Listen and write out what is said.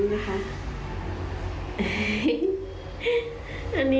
พอไปถามเจ้านักที่